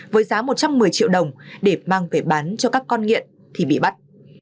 với giá một trăm một mươi triệu đồng để mang về bán cho các con nghiện thì bị bắt